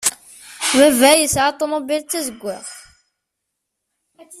Baba yesɛa ṭumubil d tazeggaɣt.